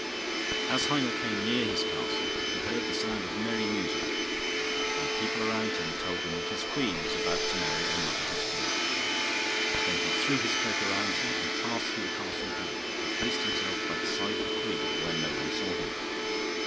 As Heinel came near his castle he heard the sound of merry music; and the people around told him that his queen was about to marry another husband. Then he threw his cloak around him, and passed through the castle hall, and placed himself by the side of the queen, where no one saw him.